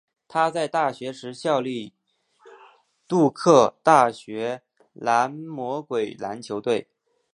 他在大学时效力杜克大学蓝魔鬼篮球队。